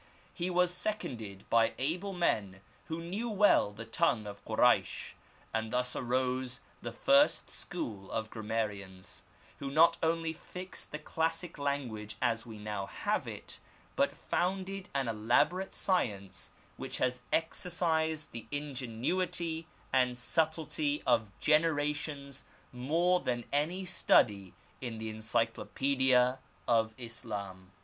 He was seconded by able men who knew well the tongue of Koraysh, and thus arose the first school of grammarians, who not only fixed the classic language as we now have it, but founded an elaborate science which has exercised the ingenuity and subtlety The Arabic Language. 15 of generations more than any study in the encyelopsBdia of Islam.